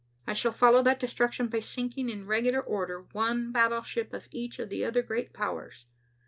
I shall follow that destruction by sinking, in regular order, one battleship of each of the other great powers.